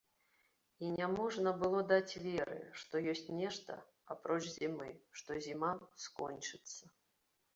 І няможна было даць веры, што ёсць нешта, апроч зімы, што зіма скончыцца.